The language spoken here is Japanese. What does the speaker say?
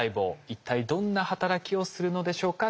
一体どんな働きをするのでしょうか？